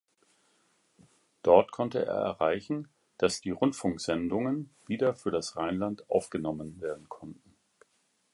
Dort konnte er erreichen, dass die Rundfunksendungen wieder für das Rheinland aufgenommen werden konnten.